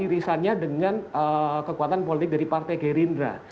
irisannya dengan kekuatan politik dari partai gerindra